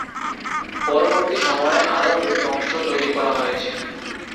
পরবর্তী সময়ে আরও দুটি অংশ তৈরি করা হয়েছে।